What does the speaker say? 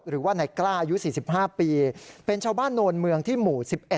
หรือว่าในกล้าอายุ๔๕ปีเป็นชาวบ้านโนนเมืองที่หมู่๑๑